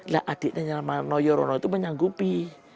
lah adiknya yang namanya noyorono itu menyanggupi